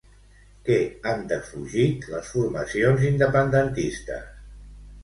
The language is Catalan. Què han defugit, les formacions independentistes?